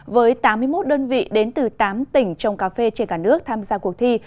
với tám mươi một đơn vị đến từ tám tỉnh trong cà phê trên cả nước tham gia cuộc thi